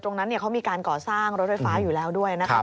ตรงนั้นเขามีการก่อสร้างรถไฟฟ้าอยู่แล้วด้วยนะครับ